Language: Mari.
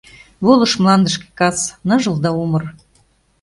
Волыш мландышке кас, ныжыл да умыр.